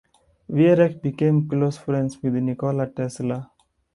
Viereck became close friends with Nikola Tesla.